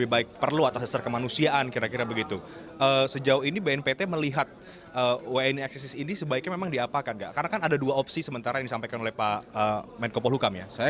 bapak komjen paul soehardi alius